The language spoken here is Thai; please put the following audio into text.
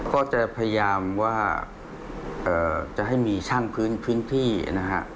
ก็จะพยายามว่าจะให้มีช่างพื้นที่นะฮะ